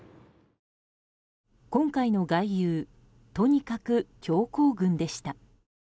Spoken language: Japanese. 今回の外遊とにかく強行軍でした。